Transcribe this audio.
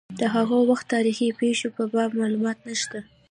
د هغه وخت تاریخي پېښو په باب معلومات نشته.